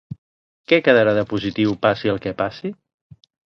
Què quedarà de positiu passi el que passi?